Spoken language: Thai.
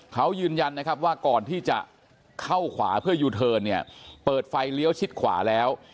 เขายืนยันนะครับว่าก่อนที่จะเข้าขวาเพื่อยูเทิร์นเนี่ยเปิดไฟเลี้ยวชิดขวาแล้ว